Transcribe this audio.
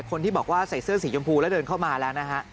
คนที่บอกว่าใส่เสื้อสีชมพูแล้วเดินเข้ามาแล้วนะฮะ